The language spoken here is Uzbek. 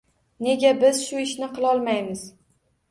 Nega biz shu ishni qilolmaymiz